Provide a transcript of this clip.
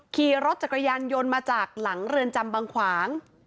ขี่รถจักรยานยนต์มาจากหลังเรือนจำบางขวาง